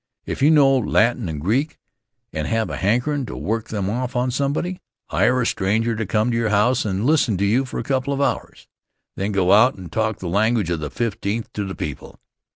If you know Latin and Greek and have a hankerin' to work them off on somebody, hire a stranger to come to your house and listen to you for a couple of hours; then go out and talk the language of the Fifteenth to the people.